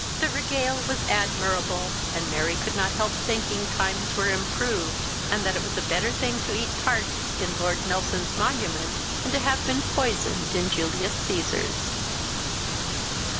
The regale was admirable, and Mary could not help thinking times were improved, and that it was a better thing to eat tarts in Lord Nelson's Monument than to have been poisoned in Julius Caesar's.